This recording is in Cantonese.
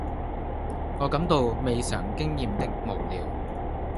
我感到未嘗經驗的無聊，